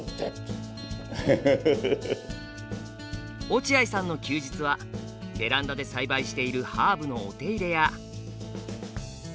落合さんの休日はベランダで栽培しているハーブのお手入れや。